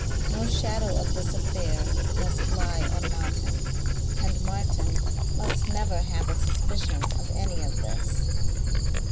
No shadow of this affair must lie on Martin.... And Martin must never have a suspicion of any of this....